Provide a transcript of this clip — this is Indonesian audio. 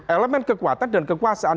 elemen kekuatan dan kekuasaan